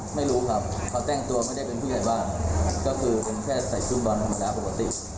ที่แรกก็ไม่ได้ของขึ้นนะครับก็คือปกติขอโทษต่อไปว่าขอโทษ